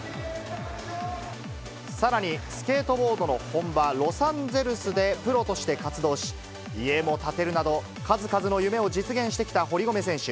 さらに、スケートボードの本場、ロサンゼルスでプロとして活動し、家も建てるなど、数々の夢を実現してきた堀米選手。